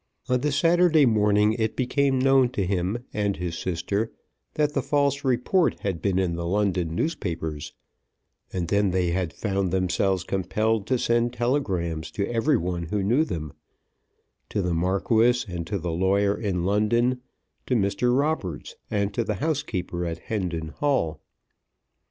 On the Saturday morning it became known to him and his sister that the false report had been in the London newspapers, and then they had found themselves compelled to send telegrams to every one who knew them, to the Marquis, and to the lawyer in London, to Mr. Roberts, and to the housekeeper at Hendon Hall.